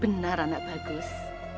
benar anak bagus